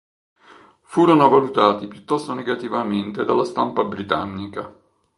Furono valutati piuttosto negativamente dalla stampa britannica.